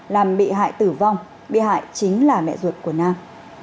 làm bị hại tử vong bị hại chính là mẹ ruột của nam